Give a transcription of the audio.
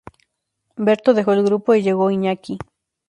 Berto dejó el grupo y llegó Iñaki.